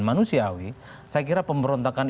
manusiawi saya kira pemberontakan